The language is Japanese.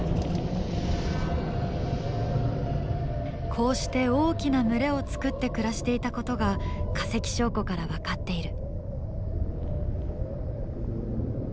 こうして大きな群れを作って暮らしていたことが化石証拠から分かっている。